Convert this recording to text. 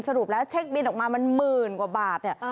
สรุปแล้วเช็คบินออกมามันหมื่นกว่าบาทเนี่ย